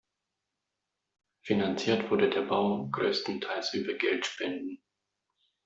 Finanziert wurde der Bau größtenteils über Geldspenden.